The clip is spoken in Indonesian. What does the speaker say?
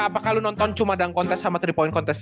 apakah lu nonton cuma dalam kontes sama tiga point kontes